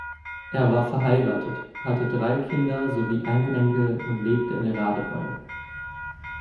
Er war verheiratet, hatte drei Kinder sowie einen Enkel und lebte in Radebeul.